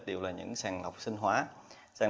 đều là những sàn lọc sinh hóa